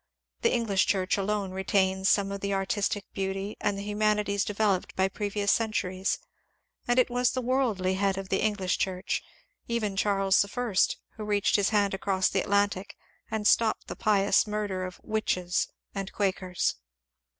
The English Church alone retains some of the artistic beauty and the hu manities developed by previous centuries, and it was the ^^ worldly " head of the English Church, even Charles I, who reached his hand across the Atlantic and stopped the pious murder of ^^ witches " and Quakers.